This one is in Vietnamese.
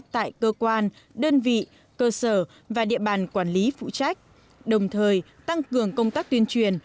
tại cơ quan đơn vị cơ sở và địa bàn quản lý phụ trách đồng thời tăng cường công tác tuyên truyền